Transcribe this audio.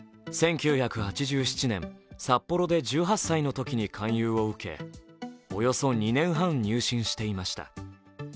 １９８７年、札幌で１８歳の時に勧誘を受けおよそ２年半、入信していました。